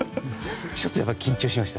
ちょっと緊張しました。